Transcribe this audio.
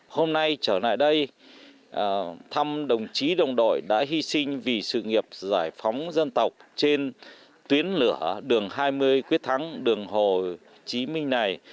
hôm nay trở lại đây thăm đồng chí đồng đội đã hy sinh vì sự nghiệp giải phóng dân tộc trên tuyến lửa đường hai mươi quyết thắng đường hồ chí minh này